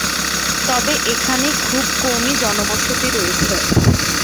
তবে এখানে খুব কমই জনবসতি রয়েছে।